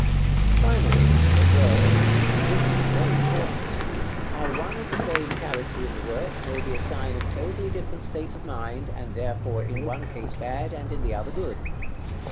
Finally, observe and this is very important how one and the same character in the work may be a sign of totally different states of mind, and therefore in one case bad, and in the other good.